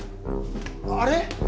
あれ！？